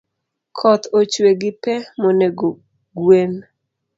Koth ochue gi pe monego gwen